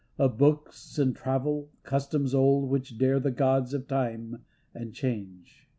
Of books, and travel, customs old which dare The gods of Time and Change.